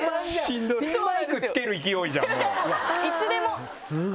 いつでも！